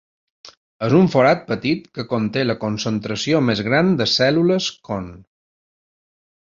És un forat petit que conté la concentració més gran de cèl·lules con.